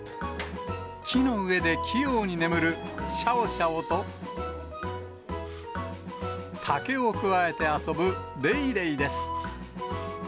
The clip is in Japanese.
木の上で器用に眠るシャオシャオと、竹をくわえて遊ぶレイレイです。